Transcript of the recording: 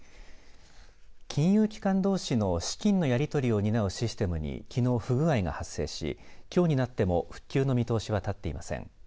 金融機関どうしの資金のやり取りを担うシステムにきのう不具合が発生しきょうになっても復旧の見通しは立っていません。